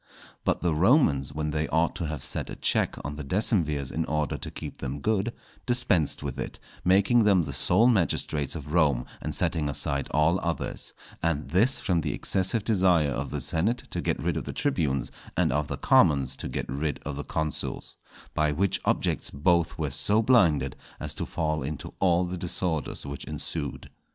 But the Romans when they ought to have set a check on the decemvirs in order to keep them good, dispensed with it, making them the sole magistrates of Rome, and setting aside all others; and this from the excessive desire of the senate to get rid of the tribunes, and of the commons to get rid of the consuls; by which objects both were so blinded as to fall into all the disorders which ensued.